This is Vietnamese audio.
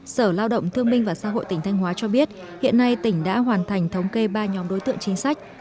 sở lao động thương minh và xã hội tỉnh thanh hóa cho biết hiện nay tỉnh đã hoàn thành thống kê ba nhóm đối tượng chính sách